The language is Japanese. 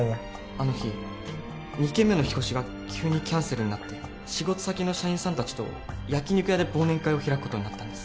あの日２軒目の引っ越しが急にキャンセルになって仕事先の社員さん達と焼き肉屋で忘年会を開くことになったんです